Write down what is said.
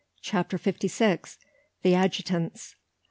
CHAPTER FIFTY SIX. THE ADJUTANTS.